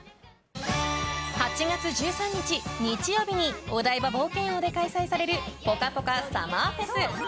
８月１３日、日曜日にお台場冒険王で開催されるぽかぽかＳＵＭＭＥＲＦＥＳ。